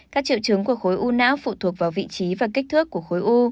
các triệu chứng của khối u não phụ thuộc vào vị trí và kích thước của khối u